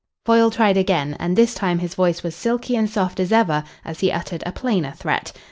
Foyle tried again, and this time his voice was silky and soft as ever as he uttered a plainer threat.